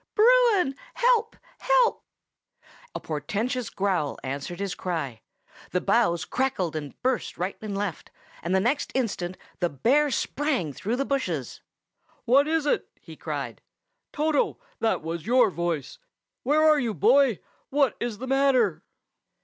"Bruin! help! help!" A portentous growl answered his cry. The boughs crackled and burst right and left, and the next instant the bear sprang through the bushes. "What is it?" he cried. "Toto, that was your voice. Where are you, boy? What is the matter?"